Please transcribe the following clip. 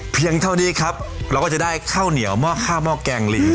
เพียงเท่านี้ครับเราก็จะได้ข้าวเหนียวหม้อข้าวหม้อแกงลี